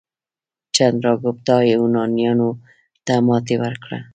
چندراګوپتا یونانیانو ته ماتې ورکړه.